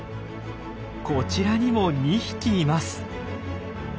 こちらにも２匹います！